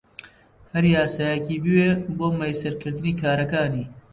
هەر یاسایەکی بوێ بۆ مەیسەرکردنی کارەکانی